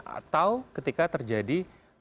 atau ketika terjadi